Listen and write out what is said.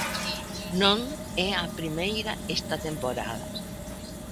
Non é a primeira esta temporada.